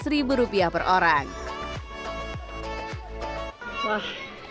jika anda ingin mencoba silakan berlangganan di link di kolom komentar